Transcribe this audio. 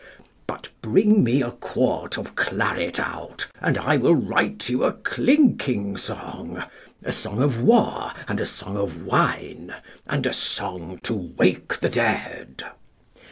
But bring me a quart of claret out, And I will write you a clinking song, A song of war and a song of wine And a song to wake the dead.